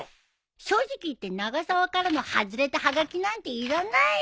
正直言って永沢からの外れたはがきなんていらないよ！